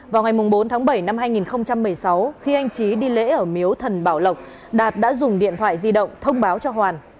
vào ngày bốn tháng bảy năm hai nghìn một mươi sáu khi anh trí đi lễ ở miếu thần bảo lộc đạt đã dùng điện thoại di động thông báo cho hoàn